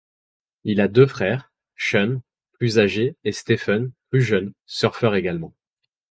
Il a deux frères, Sean, plus âgé et Stephen, plus jeune, surfeurs également.